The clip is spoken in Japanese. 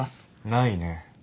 ないね。